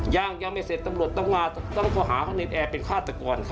ย่างลาไม่เสร็จตำรวจต้องมาต้องก็หามาเลียนอ่ะเป็นฆ่าจักรวรหรอ